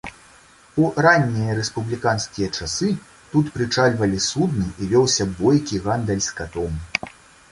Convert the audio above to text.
У раннія рэспубліканскія часы тут прычальвалі судны і вёўся бойкі гандаль скатом.